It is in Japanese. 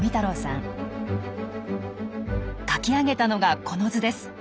書き上げたのがこの図です。